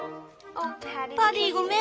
パディごめん